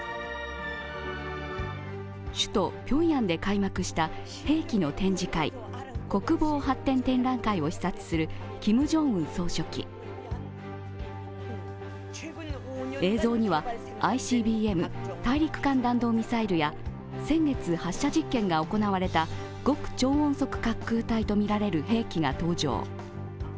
首都・ピョンヤンで開幕した兵器の展示会、国防発展展覧会を視察するキム・ジョンウン総書記映像にはＩＣＢＭ＝大陸間弾道ミサイルや先月、発射実験が行われた極超音速滑空体とみられる兵器が登場。